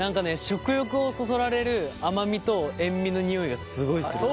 食欲をそそられる甘みと塩味の匂いがすごいする。